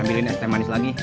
ambilin es teh manis lagi